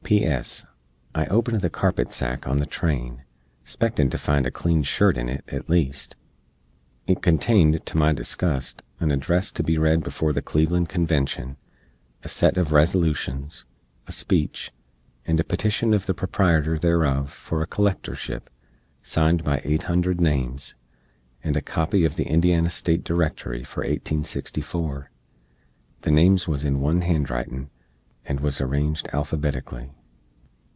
P.S. I opened the carpet sack on the train, spectin to find a clean shirt in it, at least. It contained, to my disgust, an address to be read before the Cleveland Convention, a set uv resolutions, a speech, and a petition uv the proprietor thereof for a collectorship, signed by eight hundred names, and a copy uv the Indiana State Directory for 1864. The names wuz in one hand writin, and wuz arranged alphabetically.